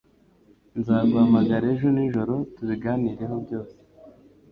Nzaguhamagara ejo nijoro tubiganireho byose.